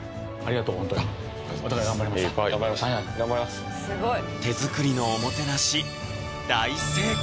すごい！手作りのおもてなし大成功！